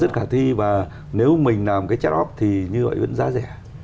rất khả thi và nếu mình làm cái chat off thì như vậy vẫn giá rẻ